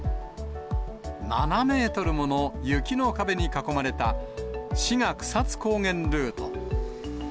７メートルもの雪の壁に囲まれた志賀草津高原ルート。